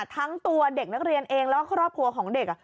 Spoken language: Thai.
กลัวเด็กนักเรียนเองและครอบครัวของเด็ก